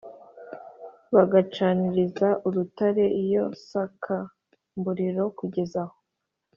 bagacaniriza urutare iyo sakamburiro kugeza aho